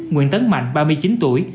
nguyễn tấn mạnh ba mươi chín tuổi